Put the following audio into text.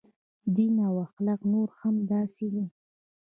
دین او اخلاق نورې هم همداسې دي.